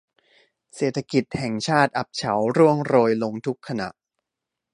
เศรษฐกิจแห่งชาติอับเฉาร่วงโรยลงทุกขณะ